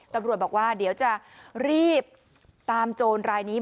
ตัวบรวมบอกว่าเดี๋ยวจะรีบโจรรายนี้มาดำเนินค